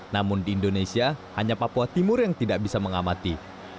namun di indonesia hanya papua timur yang tidak bisa mengamati